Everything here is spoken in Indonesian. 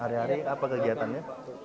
hari hari apa kegiatannya